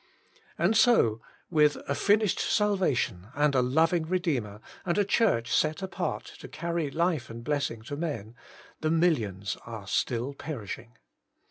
And so, with a finished salvation, and a loving Redeemer, and a Church set apart to carry life and blessing to men, the millions are still perishing.